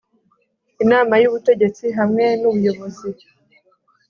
Inama y Ubutegetsi hamwe n Ubuyobozi